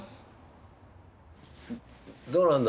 どうなんだ？